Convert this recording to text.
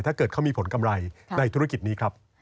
ถ้าเกิดเขามีผลกำไรในธุรกิจนี้ครับ